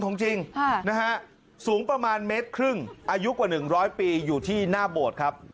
ของจริงนะฮะสูงประมาณเมตรครึ่งอายุกว่า๑๐๐ปีอยู่ที่หน้าโบสถ์ครับ